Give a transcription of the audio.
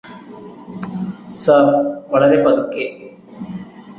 sir വളരെ പതുക്കെ